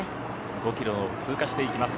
５キロを通過していきます。